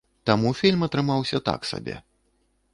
Таму фільм атрымаўся так сабе.